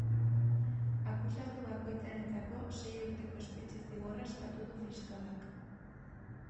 Akusatu bakoitzarentzako sei urteko espetxe-zigorra eskatu du fiskalak.